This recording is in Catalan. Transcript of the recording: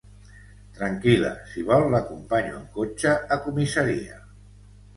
Tranquil·la, si vol l'acompanyo amb cotxe a comissaria.